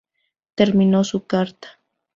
terminó su carta